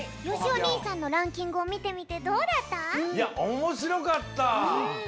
よしお兄さんのランキングをみてみてどうだった？